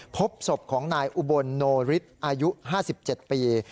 พบศพของนายอุบลโนริสต์อายุห้าสิบเจ็ดปี